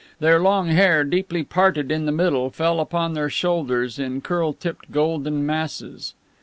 Their long hair, deeply parted in the middle, fell upon their shoulders in curl tipped golden masses.